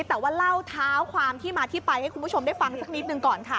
แต่ว่าเล่าเท้าความที่มาที่ไปให้คุณผู้ชมได้ฟังสักนิดหนึ่งก่อนค่ะ